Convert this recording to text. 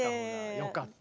よかった。